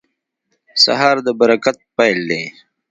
سهار د برکت پیل دی.